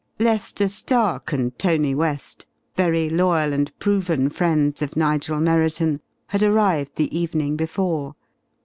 Lester Stark and Tony West, very loyal and proven friends of Nigel Merriton, had arrived the evening before.